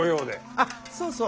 あっそうそう！